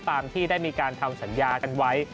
ตามที่ได้มีการทำสัญญากันไว้